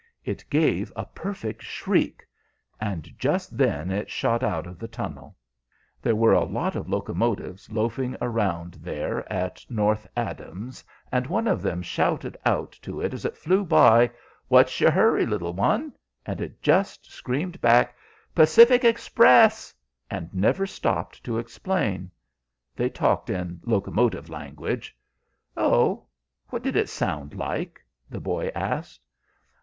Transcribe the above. It gave a perfect shriek; and just then it shot out of the tunnel. There were a lot of locomotives loafing around there at North Adams, and one of them shouted out to it as it flew by, 'What's your hurry, little one?' and it just screamed back, 'Pacific Express!' and never stopped to explain. They talked in locomotive language " "Oh, what did it sound like?" the boy asked.